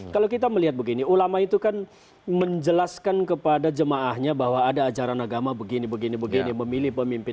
kalau kita melihat begini ulama itu kan menjelaskan kepada jemaahnya bahwa ada ajaran agama begini begini memilih pemimpin